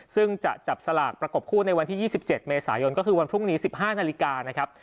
ซึ่งจะจับสลากประกบคู่ในวันที่๒๗เมษายนก็คือวันพรุ่งนี้๑๕นาฬิกานะครับ